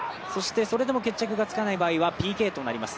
それでも決着がつかない場合は、ＰＫとなります。